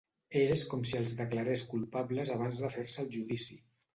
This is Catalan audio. És com si els declarés culpables abans de fer-se el judici.